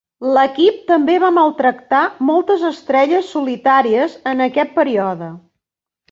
L'equip també va maltractar moltes estrelles solitàries en aquest període.